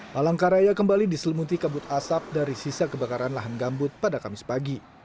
palangkaraya kembali diselimuti kabut asap dari sisa kebakaran lahan gambut pada kamis pagi